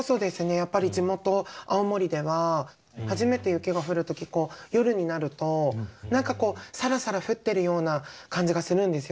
やっぱり地元青森では初めて雪が降る時夜になると何かこうさらさら降ってるような感じがするんですよ